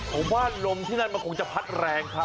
ผมว่าลมที่นั่นมันคงจะพัดแรงครับ